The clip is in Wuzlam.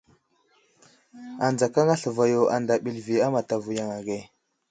Anzakaŋ asləva yo adzav bəlvi a matavo yaŋ age.